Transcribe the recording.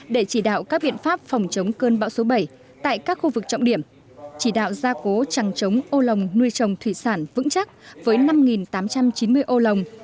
để chỉ đạo các biện pháp phòng chống cơn bão số bảy tại các khu vực trọng điểm chỉ đạo gia cố chẳng chống âu lồng nuôi trồng thủy sản vững chắc với năm tám trăm chín mươi ô lồng